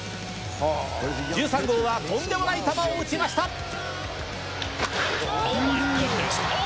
１３号はとんでもない球を打ちました。